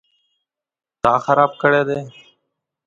_تا خراب کړی دی؟